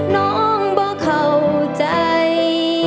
น้องบ่เข้าใจ